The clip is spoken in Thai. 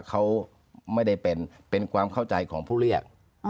เขาไม่ได้เป็นความเข้าใจของผู้เรียก